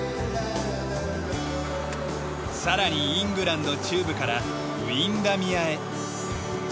さらにイングランド中部からウィンダミアへ。